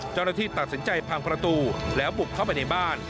เจ้าหน้าที่ตัดสินใจพังประตูแล้วบุกเข้าไปในบ้าน